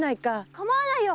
かまわないよ！